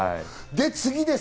次です。